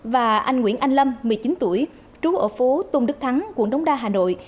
và anh nguyễn anh lâm một mươi chín tuổi trú ở phố tôn đức thắng quận đống đa hà nội